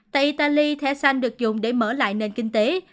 tại italy thẻ xanh được dùng để mở lại nền kinh tế